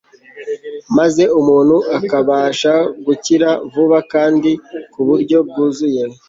maze umuntu akabasha gukira vuba kandi ku buryo bwuzuye